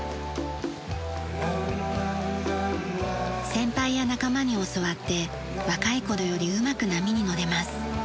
先輩や仲間に教わって若い頃よりうまく波にのれます。